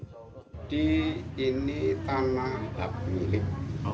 jadi ini tanah milik